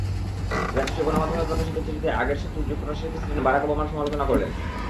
রাষ্ট্রীয় গণমাধ্যমে প্রকাশিত চিঠিতে আগের শত্রু যুক্তরাষ্ট্রের প্রেসিডেন্ট বারাক ওবামার সমালোচনা করলেন।